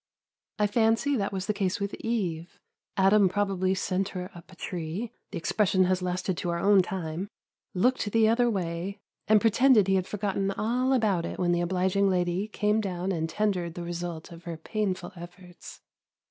I fancy that was the case with Eve. Adam probably sent her up a tree (the expression has lasted to our own time), looked the other way, and pretended he had forgotten all about it when the obliging lady came down and tendered the result of her painful efforts.